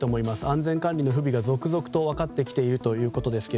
安全管理の不備が続々と分かってきているということです。